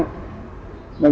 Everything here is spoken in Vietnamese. về nghệ ninh